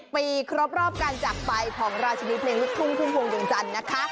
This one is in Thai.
ปีครบรอบการจักรไปของราชินีเพลงลูกทุ่งพุ่มพวงดวงจันทร์นะคะ